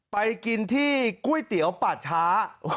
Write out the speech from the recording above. ไปกินที่ก๋วยเตี๋ยวป่าช้า